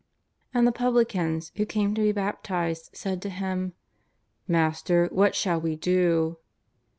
And the pviblicans who came to be baptized said to him :" Master, what shall we do